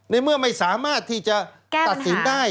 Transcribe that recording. ในเมื่อไม่สามารถที่จะตัดสินได้